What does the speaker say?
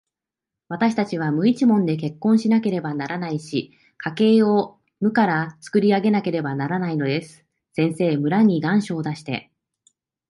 わたしたちは無一文で結婚しなければならないし、家計を無からつくり上げなければならないのです。先生、村に願書を出して、